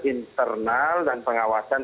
internal dan pengawasan